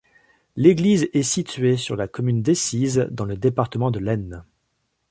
L'église est située sur la commune d'Essises, dans le département de l'Aisne.